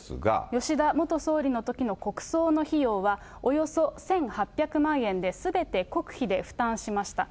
吉田元総理のときの国葬の費用はおよそ１８００万円で、すべて国費で負担しました。